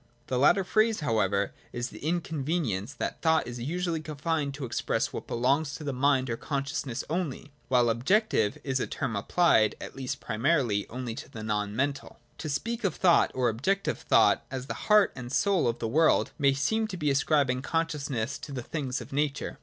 The latter phrase however has the incon venience that thought is usually confined to express what belongs to the mind or consciousness only, while objective is a term applied, at least primarily, only to the non mental. (i) To speak of thought or objective thought as the heart and soul of the world, may seem to be ascribing conscious ness to the things of nature.